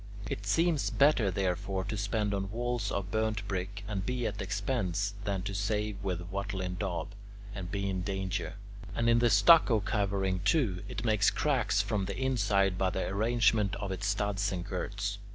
It seems better, therefore, to spend on walls of burnt brick, and be at expense, than to save with "wattle and daub," and be in danger. And, in the stucco covering, too, it makes cracks from the inside by the arrangement of its studs and girts.